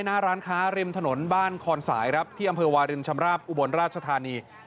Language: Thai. หน้าร้านค้าริมถนนบ้านคอนสายครับที่อำเภอวารินชำราบอุบลราชธานี